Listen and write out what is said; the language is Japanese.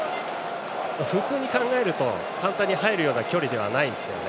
普通に考えると簡単に入る距離ではないんです。